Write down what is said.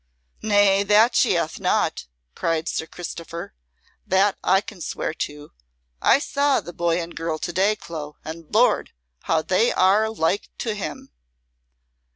"Nay, that she hath not," cried Sir Christopher, "that I can swear to. I saw the boy and girl to day, Clo, and, Lord! how they are like to him."